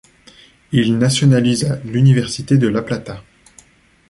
Il nationalisa l'université de La Plata.